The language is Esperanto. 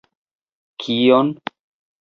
Kion?